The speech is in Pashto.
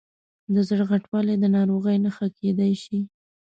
د زړه غټوالی د ناروغۍ نښه کېدای شي.